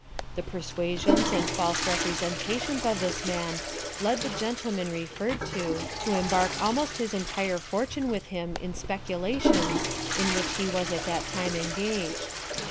The per suasions and false representations of this man led the gentleman referred to, to embark almost his en tire fortune with him in speculations in whicli he was at that time engaged.